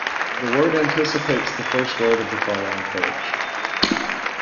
The word anticipates the first word of the following page.